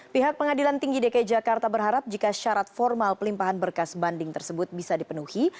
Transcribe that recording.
pihak pengadilan tinggi dki jakarta berharap jika syarat formal pelimpahan berkas banding tersebut bisa dipenuhi